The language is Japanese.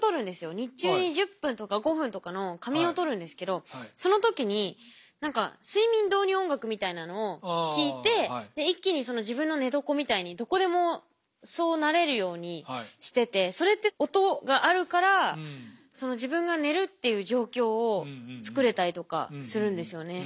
日中に１０分とか５分とかの仮眠をとるんですけどその時に何か睡眠導入音楽みたいなのを聴いて一気に自分の寝床みたいにどこでもそうなれるようにしててそれって音があるからその自分が寝るっていう状況を作れたりとかするんですよね。